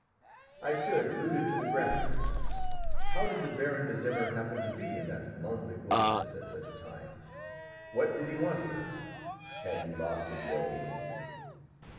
I stood rooted to the ground. How did the Baron de Zimmer happen to be in that lonely wilderness at such a time? What did he want here? Had he lost his way?